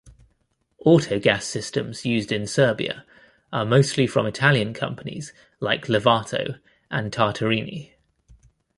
Autogas systems used in Serbia are mostly from Italian companies like Lovato and Tartarini.